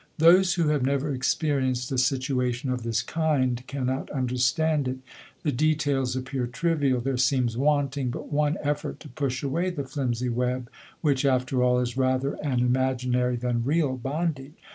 Those who have never experienced a situa tion of this kind, cannot understand it ; the de tails appear trivial : there seems wanting but one effort to push away the flimsy web, which, after all, is rather an imaginary than real bond age.